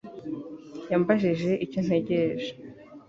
Yambajije icyo ntegereje